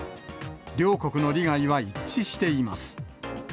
両国の利害は一致しています。